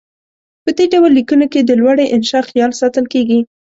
په دې ډول لیکنو کې د لوړې انشاء خیال ساتل کیږي.